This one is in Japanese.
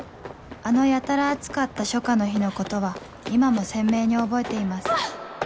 あのやたら暑かった初夏の日のことは今も鮮明に覚えていますあっ！